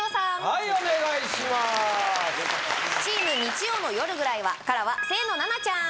はいお願いしまーすチーム日曜の夜ぐらいは．．．からは清野菜名ちゃん